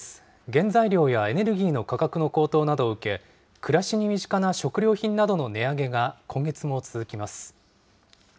原材料やエネルギーの価格の高騰などを受け、暮らしに身近な食料品などの値上げが今月も続きます。